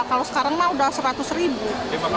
kalau sekarang mah udah rp seratus